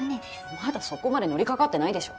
まだそこまで乗りかかってないでしょ！